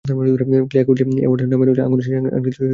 Clerk William Edwards নামে আঙুলের সেই আংটিটি খোদাই করা ছিল।